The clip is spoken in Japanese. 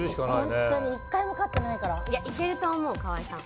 ホントに１回も勝ってないからいけると思う河合さん